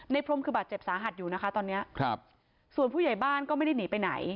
พรมคือบาดเจ็บสาหัสอยู่นะคะตอนเนี้ยครับส่วนผู้ใหญ่บ้านก็ไม่ได้หนีไปไหน